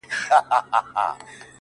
كه د زړه غوټه درته خلاصــه كــړمــــــه-